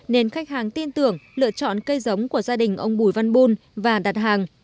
nên khách hàng tin tưởng lựa chọn cây giống của gia đình ông bùi văn bùn và đặt hàng